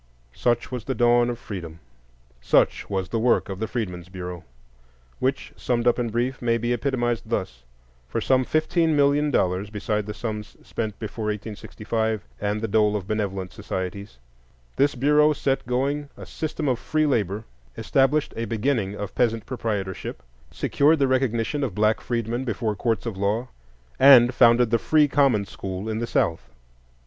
Such was the dawn of Freedom; such was the work of the Freedmen's Bureau, which, summed up in brief, may be epitomized thus: for some fifteen million dollars, beside the sums spent before 1865, and the dole of benevolent societies, this Bureau set going a system of free labor, established a beginning of peasant proprietorship, secured the recognition of black freedmen before courts of law, and founded the free common school in the South.